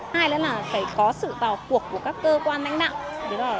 hai nữa là phải có sự vào cuộc của các cơ quan lãnh đạo